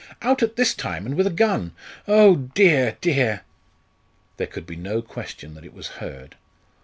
"Out at this time, and with a gun! Oh, dear, dear!" There could be no question that it was Hurd.